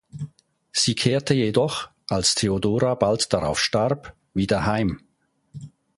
Sie kehrte jedoch, als Theodora bald darauf starb, wieder heim.